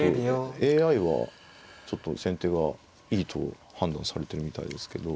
ＡＩはちょっと先手がいいと判断されてるみたいですけど。